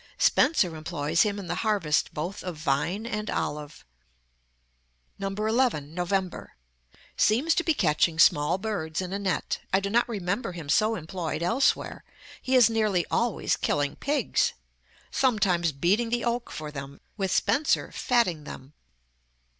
Spenser employs him in the harvest both of vine and olive. 11. NOVEMBER. Seems to be catching small birds in a net. I do not remember him so employed elsewhere. He is nearly always killing pigs; sometimes beating the oak for them; with Spenser, fatting them.